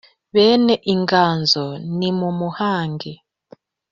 Bene inganzo nimumuhange